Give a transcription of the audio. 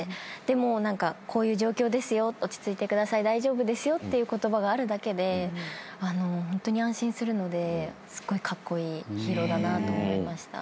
でも「こういう状況ですよ」「落ち着いてください」「大丈夫ですよ」っていう言葉があるだけでホントに安心するのですごいカッコイイヒーローだなと思いました。